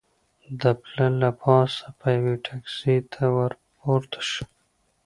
د پله له پاسه به یوې ټکسي ته ور پورته شو.